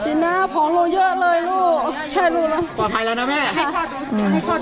จีน่าผอมโลเยอะเลยลูกใช่รู้หรอปลอดภัยแล้วนะแม่ให้พ่อดูให้พ่อดู